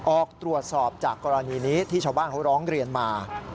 ออกตรวจสอบจากกรณีนี้ที่ชาวบ้านเขาร้องเรียนมา